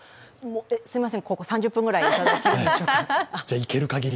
すみません、３０分くらいいただけるんでしょうか。